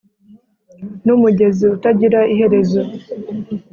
numugezi utagira iherezo